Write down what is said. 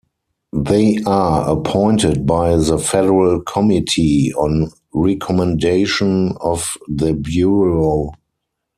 They are appointed by the Federal Committee on recommendation of the Bureau.